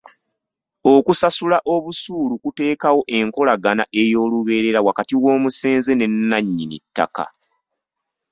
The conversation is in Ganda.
Okusasula busuulu kuteekawo enkolagana ey'olubeerera wakati w'omusenze ne nnannyini ttaka.